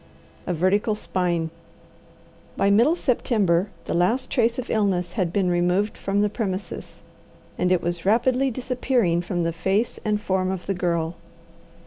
A VERTICAL SPINE By middle September the last trace of illness had been removed from the premises, and it was rapidly disappearing from the face and form of the Girl.